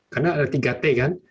karena ada tiga t kan